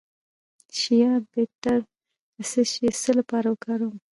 د شیا بټر د څه لپاره وکاروم؟